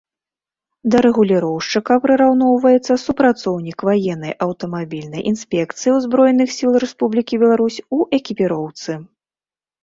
Да рэгуліроўшчыка прыраўноўваецца супрацоўнік Ваеннай аўтамабільнай інспекцыі Узброеных Сіл Рэспублікі Беларусь у экіпіроўцы